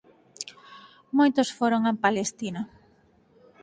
Moitos foron a Palestina.